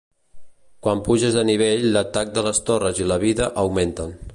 Quan puges de nivell, l'atac de les torres i la vida augmenten.